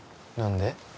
何で？